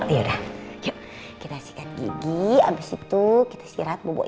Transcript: yaudah yuk kita sikat gigi abis itu kita istirahat bubo ya